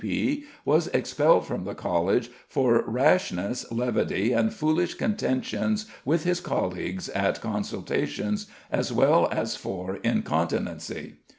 C.P., was expelled from the College for "rashness, levity, and foolish contentions with his colleagues at consultations, as well as for incontinency."